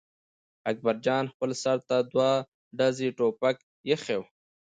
اکبر جان خپل سر ته دوه ډزي ټوپک اېښی و.